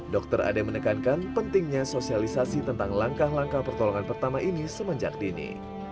dr ade menekankan pentingnya sosialisasi tentang langkah langkah pertolongan pertama ini semenjak dini